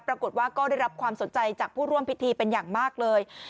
ปรากฏว่าก็ได้รับความสนใจจากผู้ร่วมพิธีเป็นอย่างมากเลย